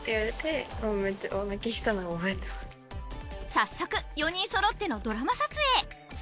早速４人そろってのドラマ撮影。